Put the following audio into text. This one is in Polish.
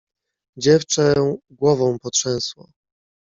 "Dziewczę głową potrzęsło."